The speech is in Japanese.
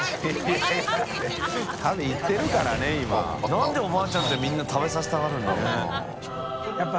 なんでおばあちゃんってみんな食べさせたがるんだろうな笋辰